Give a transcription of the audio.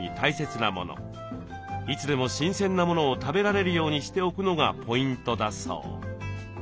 いつでも新鮮なものを食べられるようにしておくのがポイントだそう。